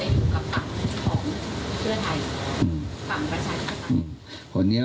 ว่าจะอยู่กับภักดิ์ของเชื้อไทย